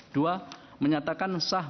dua menyatakan sahabatnya